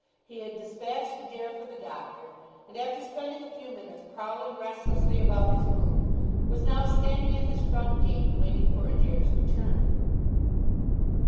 He had despatched Adair for the doctor, and, after spending a few minutes prowling restlessly about his room, was now standing at his front gate, waiting for Adair's return.